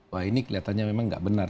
wah ini kelihatannya memang nggak benar